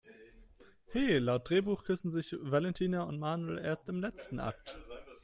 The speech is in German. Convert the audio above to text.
He, laut Drehbuch küssen sich Valentina und Manuel erst im letzten Akt!